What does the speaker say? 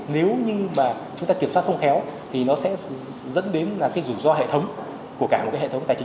nếu như mà chúng ta kiểm soát không khéo thì nó sẽ dẫn đến là cái rủi ro hệ thống của cả một cái hệ thống tài chính